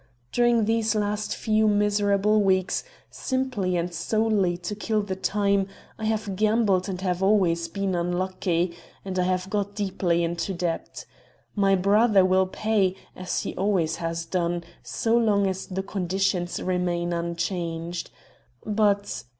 during these last few miserable weeks, simply and solely to kill the time, I have gambled and have always been unlucky, and I have got deeply into debt. My brother will pay, as he always has done, so long as the conditions remain unchanged. But